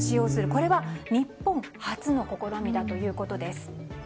これは、日本初の試みだということです。